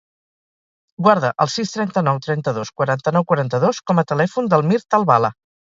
Guarda el sis, trenta-nou, trenta-dos, quaranta-nou, quaranta-dos com a telèfon del Mirt Albala.